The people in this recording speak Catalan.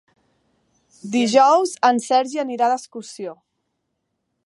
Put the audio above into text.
Dijous en Sergi anirà d'excursió.